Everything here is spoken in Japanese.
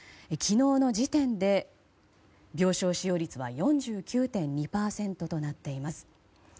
昨日の時点で病床使用率は４９．２％となっています。